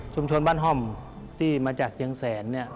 ชุมชนบ้านห่อมที่มาจากเจียงแสนเนี่ย